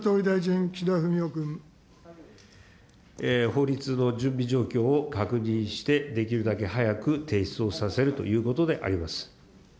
法律の準備状況を確認して、できるだけ早く提出をさせるということであります。